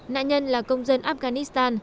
nạn nhân là công dân afghanistan